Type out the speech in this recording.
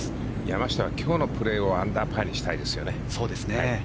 山下は今日のプレーをアンダーパーにしたいですね。